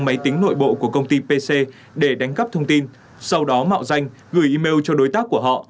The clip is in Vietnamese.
máy tính nội bộ của công ty pc để đánh cắp thông tin sau đó mạo danh gửi email cho đối tác của họ